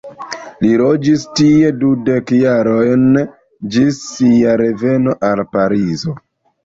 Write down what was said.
Li loĝis tie dudek jarojn ĝis sia reveno al Parizo.